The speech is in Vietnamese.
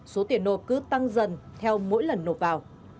số tiền nộp cứ tăng dần theo mỗi lần nộp vào